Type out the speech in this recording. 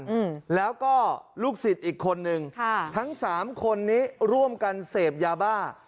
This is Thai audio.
อืมแล้วก็ลูกศิษย์อีกคนนึงค่ะทั้งสามคนนี้ร่วมกันเสพยาบ้า